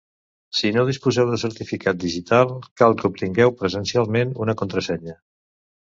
Si no disposeu de certificat digital, cal que obtingueu presencialment una contrasenya.